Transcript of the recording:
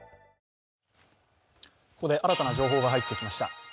ここで新たな情報が入ってきました。